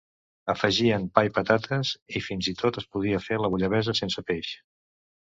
Afegien pa i patates, i fins i tot es podia fer la bullabessa sense peix.